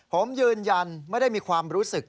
ผมยืนยันไม่ได้มีความรู้สึก